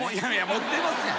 持ってますやん。